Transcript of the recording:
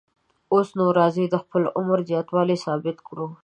اوس نو راځئ د خپل عمر زیاتوالی ثابت کړو.